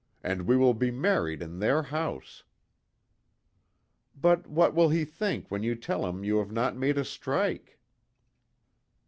And we will be married in their house." "But, what will he think when you tell him you have not made a strike?"